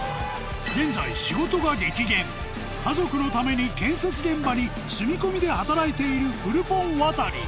現在仕事が激減家族のために建設現場に住み込みで働いているフルポン